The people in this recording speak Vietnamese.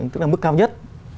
tức là mức cao nhất